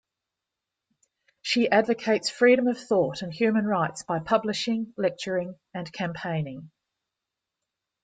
She advocates freedom of thought and human rights by publishing, lecturing, and campaigning.